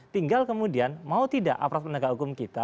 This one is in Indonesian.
tinggal kemudian mau tidak aparat penegak hukum kita